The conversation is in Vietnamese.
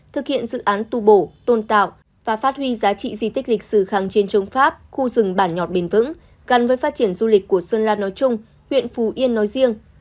thực hiện dự án tu bổ tôn tạo và phát huy giá trị di tích lịch sử kháng chiến chống pháp khu rừng bản nhọt bền vững gắn với phát triển du lịch của sơn la nói chung huyện phù yên nói riêng